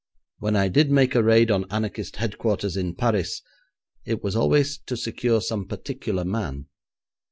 When I did make a raid on anarchist headquarters in Paris, it was always to secure some particular man.